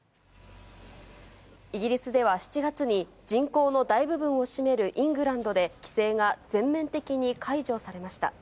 イギリスでは７月に人口の大部分を占めるイングランドで、規制が全面的に解除されました。